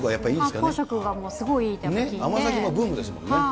発酵食がすごいいいって聞い甘酒もブームですもんね。